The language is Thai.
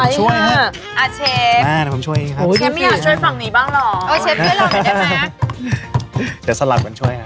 เชฟอยากจะช่วยผ่านนี้บ้างหรอช๊าตนเพราะจริงป่ะค่ะ